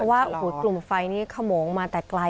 เพราะว่ากลุ่มไฟนี่ขมงมาแต่ไกลเห็นชัด